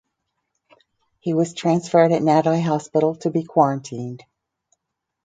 He was transferred at Nadi hospital to be quarantined.